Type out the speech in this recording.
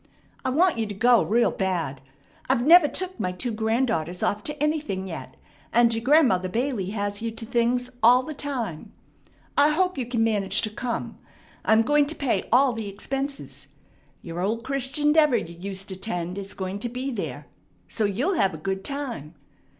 I want you to go real bad. I've never took my two granddaughters off to anything yet, and your Grandmother Bailey has you to things all the time. I hope you can manage to come. I am going to pay all the expenses. Your old Christian Deaver you used to 'tend is going to be there; so you'll have a good time.